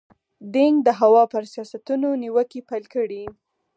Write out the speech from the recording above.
دینګ د هوا پر سیاستونو نیوکې پیل کړې.